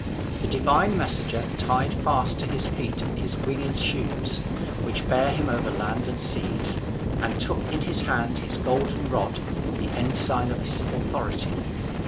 The divine messenger tied fast to his feet his winged shoes, which bear him over land and seas, and took in his hand his golden rod, the ensign of his authority.